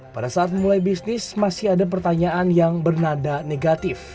pada saat memulai bisnis masih ada pertanyaan yang bernada negatif